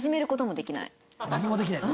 何もできないの？